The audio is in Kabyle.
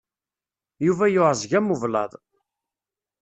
Yuba yeεẓeg am ublaḍ.